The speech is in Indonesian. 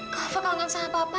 kafa kangen sama papa